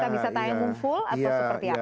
bisa tayammum full atau seperti apa